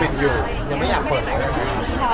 อ๋อติดอยู่ยังไม่อยากเปิดแล้วได้ไหม